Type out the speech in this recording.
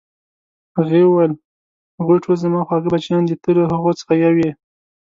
هغې وویل: هغوی ټول زما خواږه بچیان دي، ته له هغو څخه یو یې.